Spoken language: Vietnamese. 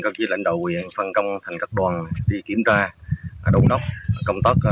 các di lãnh đạo quyền phân công thành các đoàn đi kiểm tra đổ đốc công tất